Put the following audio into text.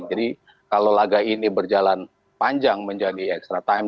jadi kalau laga ini berjalan panjang menjadi extra time